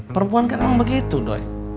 perempuan kan emang begitu doi